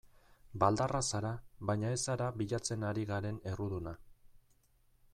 Baldarra zara baina ez zara bilatzen ari garen erruduna.